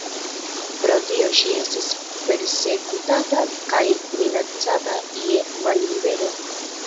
Pro tio ŝi estis persekutata kaj minacata je mallibero.